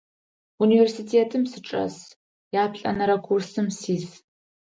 Университетым сычӏэс, яплӏэнэрэ курсым сис.